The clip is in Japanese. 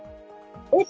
えっ！